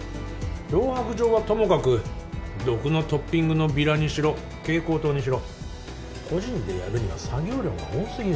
脅迫状はともかく毒のトッピングのビラにしろ蛍光灯にしろ個人でやるには作業量が多過ぎる。